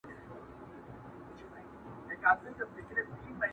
زموږ يقين دئ عالمونه به حيران سي.!